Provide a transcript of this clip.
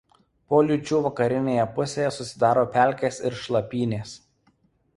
Po liūčių vakarinėje pusėje susidaro pelkės ir šlapynės.